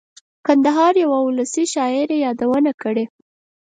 کندهار یوه اولسي شاعر یې یادونه کړې.